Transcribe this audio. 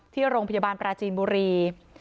ที่โรงพยาบาลปราจีนบุรี